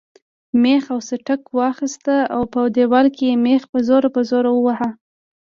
مېخ او سټک واخیست او په دیوال کې یې مېخ په زور زور واهه.